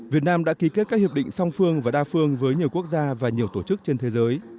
việt nam đã ký kết các hiệp định song phương và đa phương với nhiều quốc gia và nhiều tổ chức trên thế giới